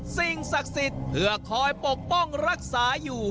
สิ่งศักดิ์สิทธิ์เพื่อคอยปกป้องรักษาอยู่